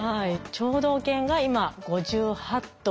聴導犬が今５８頭。